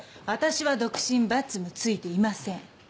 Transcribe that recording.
私は独身バツもついていません。